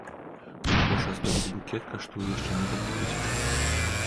Прыгожа аздобіць букет каштуе яшчэ некалькі тысячаў.